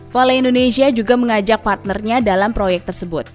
vale indonesia juga mengajak partnernya dalam proyek tersebut